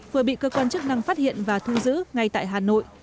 vừa bị cơ quan chức năng phát hiện và thu giữ ngay tại hà nội